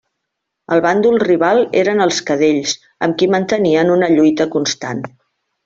El bàndol rival eren els Cadells amb qui mantenien una lluita constant.